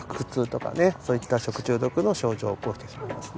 そういった食中毒の症状を起こしてしまいますね。